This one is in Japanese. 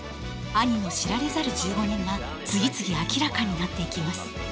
兄の知られざる１５年が次々明らかになっていきます。